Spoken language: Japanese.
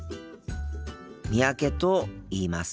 三宅と言います。